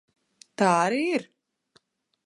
Tā arī ir.